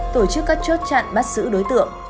tổ chức các chốt chặn bắt giữ đối tượng